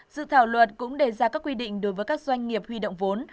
dự thảo luật cũng đề ra các quy định đối với các doanh nghiệp huy động vốn